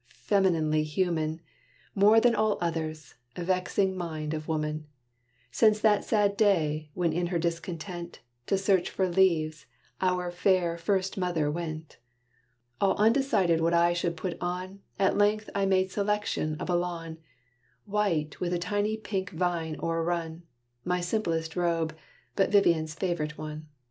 femininely human! More than all others, vexing mind of woman, Since that sad day, when in her discontent, To search for leaves, our fair first mother went. All undecided what I should put on, At length I made selection of a lawn White, with a tiny pink vine overrun: My simplest robe, but Vivian's favorite one.